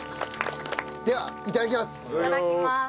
ではいただきます！